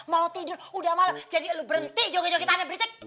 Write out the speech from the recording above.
mau tidur udah malem jadi lo berhenti joget joget anda berisik